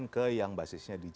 ke yang basisnya digital